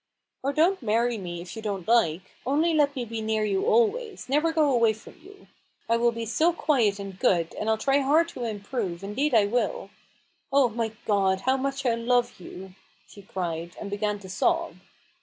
" Or don't marry me, if you don't like. Only let me be near you always, never go away from you, I will be so quiet and good, and I'll try hard to improve, indeed I will. Oh, my God, how much I love you !" she cried, and began to sob.